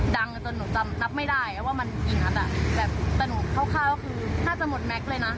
จนหนูจำนับไม่ได้ว่ามันกี่นัดอ่ะแต่หนูคร่าวคือแทบจะหมดแม็กซ์เลยนะ